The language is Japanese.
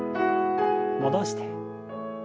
戻して。